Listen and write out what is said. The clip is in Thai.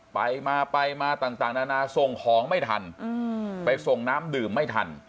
ไปมาไปมาต่างนานาส่งของไม่ทันไปส่งน้ำดื่มไม่ทัน